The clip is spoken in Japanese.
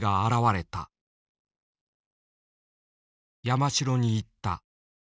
山城に言った。